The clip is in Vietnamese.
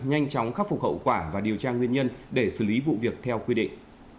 nhanh chóng khắc phục hậu quả và điều tra nguyên nhân để xử lý vụ việc theo quy định